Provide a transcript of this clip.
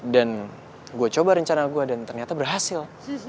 dan gue coba rencana gue dan ternyata berhasil